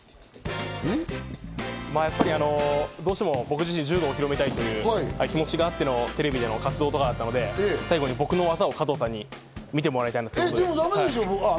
まぁ、やっぱり僕自身、柔道を広めたいという気持ちがあってのテレビでの活動となったので、最後に僕の技を加藤さんに見てもらいたいと思います。